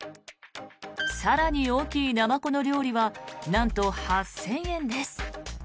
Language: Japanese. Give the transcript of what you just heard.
更に大きいナマコの料理はなんと８０００円です。